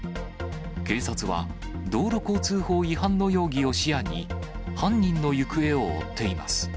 警察は、道路交通法違反の容疑を視野に、犯人の行方を追っています。